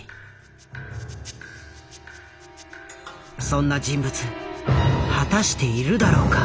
そんな人物果たしているだろうか？